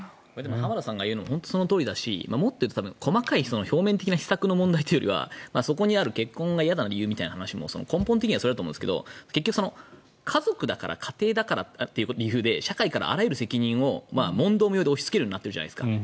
浜田さんが言うのもそのとおりだしもっと言うと表面的な政策の問題よりはそこにある結婚が嫌だという理由も根本的にはそうだと思いますけど結局、家族だから家庭だからという理由で社会からあらゆる問題を問答無用で押しつけるようになっているじゃないですか。